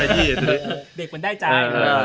เด็กมันได้จ่าย